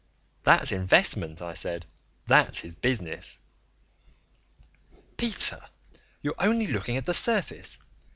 "That's investment," I said. "That's his business." "Peter, you're only looking at the surface.